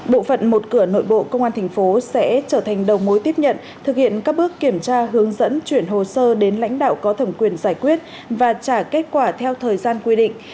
bộ phận một cửa nội bộ công an thành phố sẽ trở thành đầu mối tiếp nhận thực hiện các bước kiểm tra hướng dẫn chuyển hồ sơ đến lãnh đạo có thẩm quyền giải quyết và trả kết quả theo thời gian quy định